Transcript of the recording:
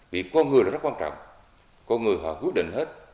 vì con người là rất quan trọng con người họ quyết định hết